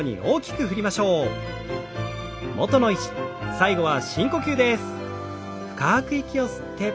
最後は深呼吸です。